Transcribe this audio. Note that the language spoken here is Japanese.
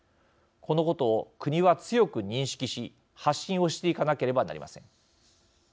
このことを国は強く認識し発信をしていかなければなりません。